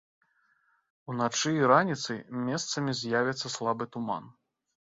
Уначы і раніцай месцамі з'явіцца слабы туман.